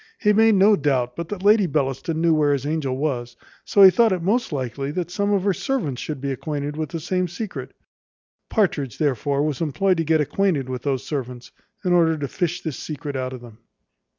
He made no doubt but that Lady Bellaston knew where his angel was, so he thought it most likely that some of her servants should be acquainted with the same secret. Partridge therefore was employed to get acquainted with those servants, in order to fish this secret out of them.